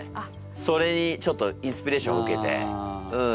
それにちょっとインスピレーションを受けてうん